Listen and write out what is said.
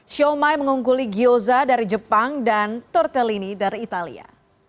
shumai mengungkuli gyoza dari jepang dan tortellini dari italia